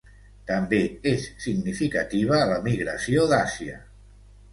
També és significativa la migració d'Àsia.